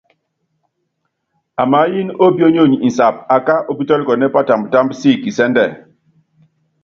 Amaáyɛ́n ópḭo̰nyonyi insab aká upítɔ́likɔ́nɛ́ patamb támb sik kisɛ́ndɛ.